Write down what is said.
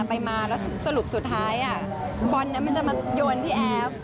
แล้วสรุปสุดท้ายปอนด์มันจะมาโยนที่แอฟ